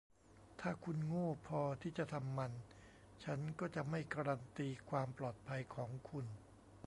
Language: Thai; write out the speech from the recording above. ถ้าคุณโง่พอที่จะทำมัน ฉันก็จะไม่การันตีความปลอดภัยของคุณ